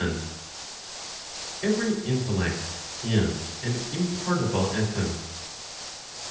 Every intellect is an impartible essence.